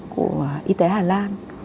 của y tế hà lan